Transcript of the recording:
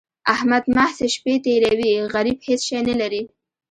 احمد محض شپې تېروي؛ غريب هيڅ شی نه لري.